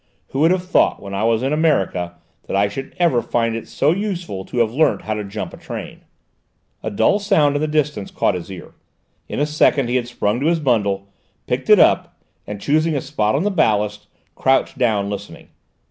"Who would have thought, when I was in America, that I should ever find it so useful to have learnt how to jump a train?" A dull sound in the distance caught his ear. In a second he had sprung to his bundle, picked it up, and, choosing a spot on the ballast, crouched down listening.